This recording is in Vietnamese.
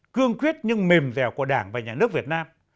cương quyết nhưng mềm dẻo của đảng và nhà nước việt nam